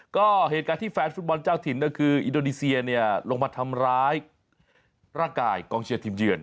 ก็เหตุการณ์ที่แฟนฟุตบอลเจ้าถิ่นก็คืออินโดนีเซียเนี่ยลงมาทำร้ายร่างกายกองเชียร์ทีมเยือน